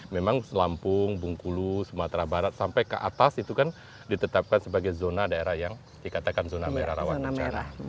memang selampung bengkulu sumatera barat sampai ke atas itu kan ditetapkan sebagai zona daerah yang dikatakan zona merah rawan bencana